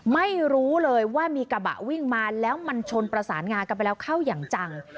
ไม่รู้เลยว่ามีกระบะวิ่งมาแล้วมันชนประสานงากันไปแล้วเข้าอย่างจัง